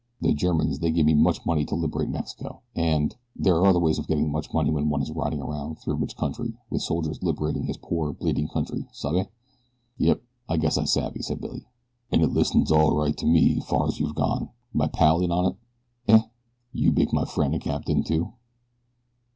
The Germans they give me much money to liberate Mexico, and there are other ways of getting much money when one is riding around through rich country with soldiers liberating his poor, bleeding country. Sabe?" "Yep, I guess I savvy," said Billy, "an' it listens all right to me's far's you've gone. My pal in on it?" "Eh?" "You make my frien' a captain, too?"